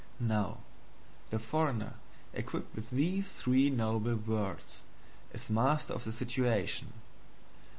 Now, the foreigner, equipped with these three noble words, is master of the situation.